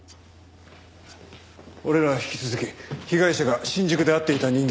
俺らは引き続き被害者が新宿で会っていた人間を追うぞ。